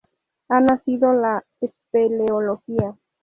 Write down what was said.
Ha nacido la espeleología.